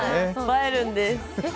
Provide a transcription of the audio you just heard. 映えるんです。